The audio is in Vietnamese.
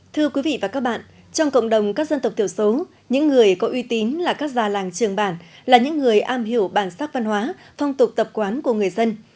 thưa quý vị và các bạn trong cộng đồng các dân tộc thiểu số những người có uy tín là các già làng trường bản là những người am hiểu bản sắc văn hóa phong tục tập quán của người dân